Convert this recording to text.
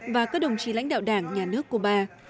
và các đồng chí lãnh đạo đảng nhà nước cuba